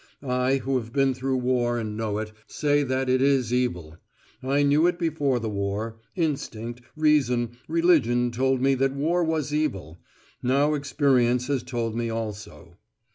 I, who have been through war and know it, say that it is evil. I knew it before the war; instinct, reason, religion told me that war was evil; now experience has told me also.